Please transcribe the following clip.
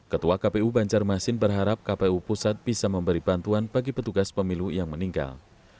ketua kpu banjarmasin berharap kpu pusat bisa memberi bantuan bagi petugas pemilu yang meninggal